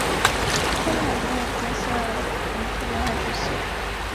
白家大地遗址的历史年代为卡约文化。